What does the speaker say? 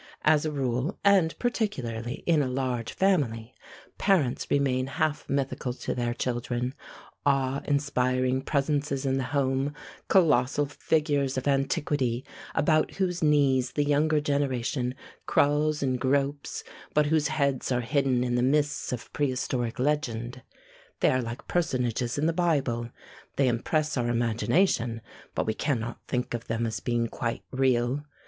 As a rule, and particularly in a large family, parents remain half mythical to their children, awe inspiring presences in the home, colossal figures of antiquity, about whose knees the younger generation crawls and gropes, but whose heads are hidden in the mists of prehistoric legend. They are like personages in the Bible. They impress our imagination, but we cannot think of them as being quite real.